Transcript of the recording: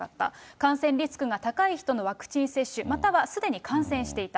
感染リスクが高い人のワクチン接種、または既に感染していた。